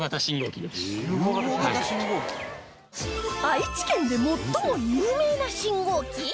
愛知県で最も有名な信号機！？